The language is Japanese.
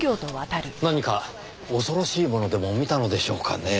何か恐ろしいものでも見たのでしょうかねぇ？